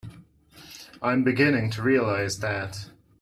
I'm beginning to realize that.